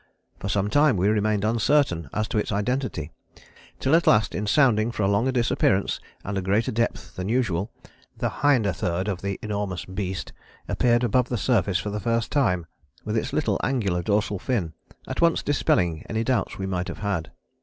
For some time we remained uncertain as to its identity, till at last in sounding for a longer disappearance and a greater depth than usual, the hinder third of the enormous beast appeared above the surface for the first time with its little angular dorsal fin, at once dispelling any doubts we might have had."